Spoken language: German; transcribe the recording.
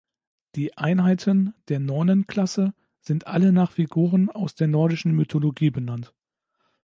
Die Einheiten der "Nornen-Klasse" sind alle nach Figuren aus der nordischen Mythologie benannt.